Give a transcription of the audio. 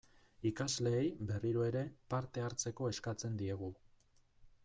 Ikasleei, berriro ere, parte hartzeko eskatzen diegu.